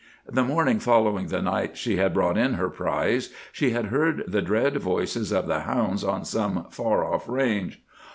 The morning following the night she had brought in her prize, she had heard the dread voices of the hounds on some far off range.